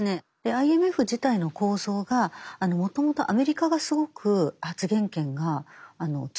ＩＭＦ自体の構造がもともとアメリカがすごく発言権が強いところなんです。